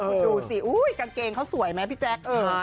คุณดูสิกางเกงเขาสวยไหมพี่แจ๊ค